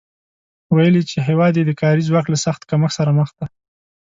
ویلي چې هېواد یې د کاري ځواک له سخت کمښت سره مخ دی